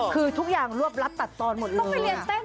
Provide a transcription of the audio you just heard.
คือทุกอย่างรวบรับตัดตอนหมดเลย